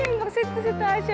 ya nggak sih itu si tasya